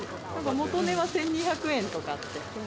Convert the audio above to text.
元値は１２００円とかって。